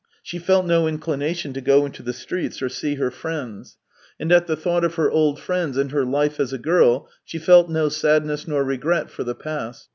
She felt no inclination to go into the streets or see her friends; and at the thought of her old friends and her life as a girl, she felt no sadness nor regret for the past.